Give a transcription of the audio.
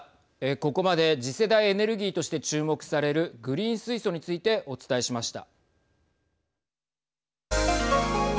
ここまで次世代エネルギーとして注目されるグリーン水素についてお伝えしました。